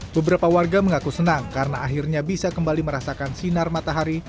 beberapa warga mengaku senang karena akhirnya bisa kembali merasakan sinar matahari